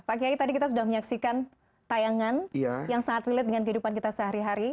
pak kiai tadi kita sudah menyaksikan tayangan yang sangat relate dengan kehidupan kita sehari hari